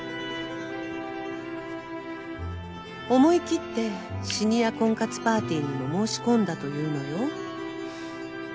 思い切ってシニア婚活パーティーにも申し込んだというのよ。